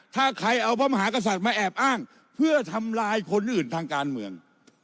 ถ้าใครเอาพระมหากษัตริย์มาแอบอ้างเพื่อทำลายคนอื่นทางการเมือง